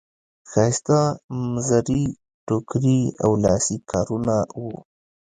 ښایسته مزري ټوکري او لاسي کارونه وو.